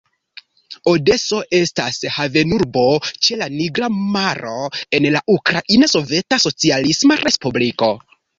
Odeso estas havenurbo ĉe la Nigra Maro en la Ukraina Soveta Socialisma Respubliko.